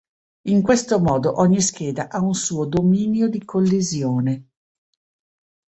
In questo modo ogni scheda ha un suo "dominio di collisione".